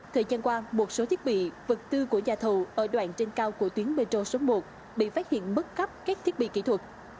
thời gian qua một số thiết bị vật tư của nhà thầu ở đoạn trên cao của tuyến metro số một bị phát hiện mất cắp các thiết bị kỹ thuật